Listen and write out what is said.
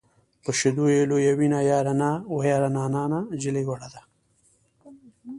په شیدو یې لویوینه یاره نا وه یاره نا نجلۍ وړه ده.